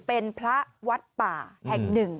เป็นพระวัดป่าแห่งหนึ่ง